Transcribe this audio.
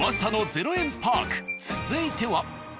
続いては。